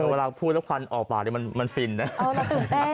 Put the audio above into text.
เวลาพูดสักพันธุ์ออกปากเลยมันฟิลล์หน่อย